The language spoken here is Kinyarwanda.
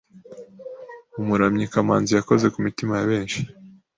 Umuramyi Kamanzi yakoze ku mitima ya benshi